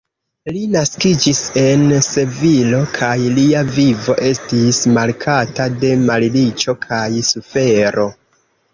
Li naskiĝis en Sevilo kaj lia vivo estis markata de malriĉo kaj sufero.